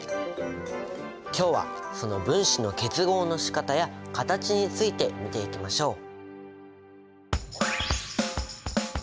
今日はその分子の結合のしかたや形について見ていきましょう。